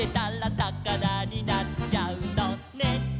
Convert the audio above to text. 「さかなになっちゃうのね」